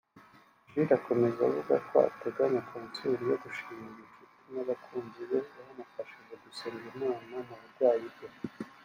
Jules akomeza avuga ko ateganya concert yo gushimira inshuti n’abakunzi be bamufashije gusenga Imana mu burwayi bwe